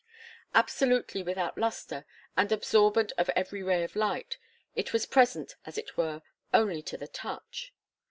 Absolutely without lustre, and absorbent of every ray of light, it was present, as it were, only to the touch.